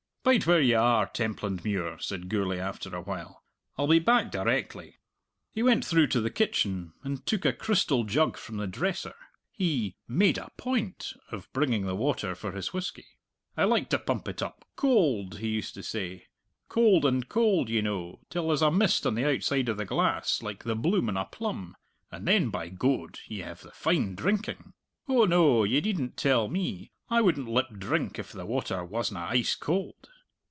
"Bide where you are, Templandmuir," said Gourlay after a little. "I'll be back directly." He went through to the kitchen and took a crystal jug from the dresser. He "made a point" of bringing the water for his whisky. "I like to pump it up cold," he used to say, "cold and cold, ye know, till there's a mist on the outside of the glass like the bloom on a plum, and then, by Goad, ye have the fine drinking! Oh no ye needn't tell me, I wouldn't lip drink if the water wasna ice cold."